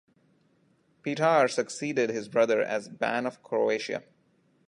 Petar succeeded his brother as Ban of Croatia.